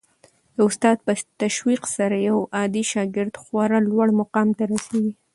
د استاد په تشویق سره یو عادي شاګرد خورا لوړ مقام ته رسېږي.